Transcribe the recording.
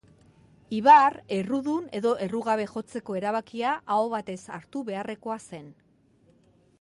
Ibar errudun edo errugabe jotzeko erabakia aho batez hartu beharrekoa zen.